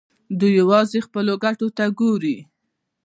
دوی یوازې خپلو ګټو ته ګوري.